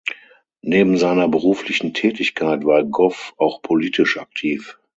Neben seiner beruflichen Tätigkeit war Goff auch politisch aktiv.